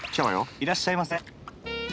いらっしゃいませ。